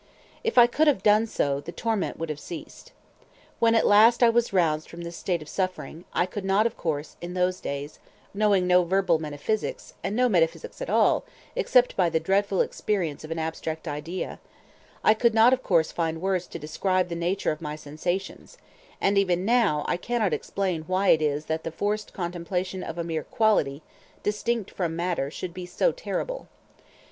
If I could have done so, the torment would have ceased. When at last I was roused from this state of suffering, I could not of course in those days (knowing no verbal metaphysics, and no metaphysics at all, except by the dreadful experience of an abstract idea)—I could not of course find words to describe the nature of my sensations, and even now I cannot explain why it is that the forced contemplation of a mere quality, distinct from matter, should be so terrible.